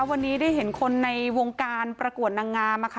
วันนี้ได้เห็นคนในวงการประกวดนางงาม